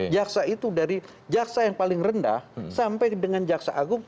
jaksa itu dari jaksa yang paling rendah sampai dengan jaksa agung